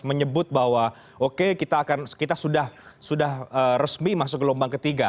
menyebut bahwa oke kita sudah resmi masuk gelombang ketiga